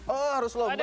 oh harus lomba